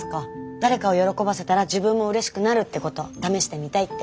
誰かを喜ばせたら自分もうれしくなるってこと試してみたいって。